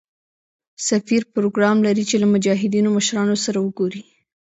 سفیر پروګرام لري چې له مجاهدینو مشرانو سره وګوري.